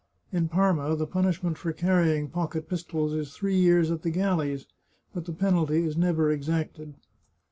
In Parma the punishment for carrying pocket pistols is three years at the galleys, but the penalty is never exacted.